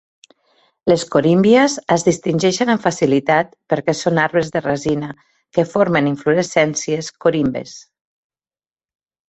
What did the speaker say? Les corymbias es distingeixen amb facilitat perquè són "arbres de resina" que formen inflorescències corimbes.